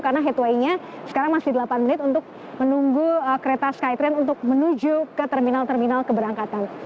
karena headwaynya sekarang masih delapan menit untuk menunggu kereta skytrain untuk menuju ke terminal terminal keberangkatan